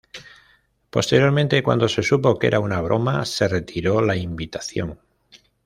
Posteriormente, cuando se supo que era una broma, se retiró la invitación.